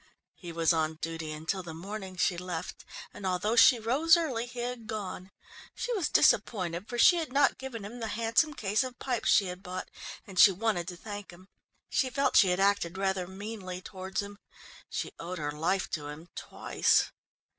He was on duty until the morning she left, and although she rose early he had gone. She was disappointed, for she had not given him the handsome case of pipes she had bought, and she wanted to thank him. She felt she had acted rather meanly towards him. She owed her life to him twice.